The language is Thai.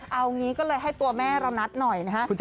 เอางี้ก็เลยให้ตัวแม่เรานัดหน่อยนะฮะ